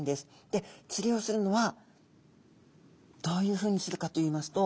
で釣りをするのはどういうふうにするかといいますと。